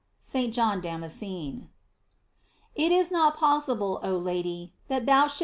— St. John Damascene. It is not possible, oh Lady, tbat thou shouldafc * S.